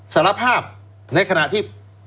สารภาพในขณะที่